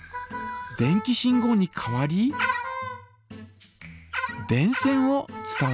電気信号に変わり電線を伝わります。